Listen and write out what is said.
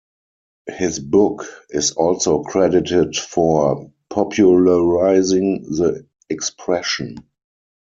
His book is also credited for popularizing the expression.